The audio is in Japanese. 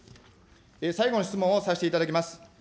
最後の質問をさせていただきます。